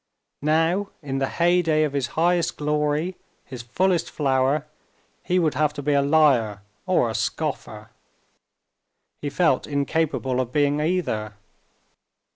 Now, in the heyday of his highest glory, his fullest flower, he would have to be a liar or a scoffer. He felt incapable of being either.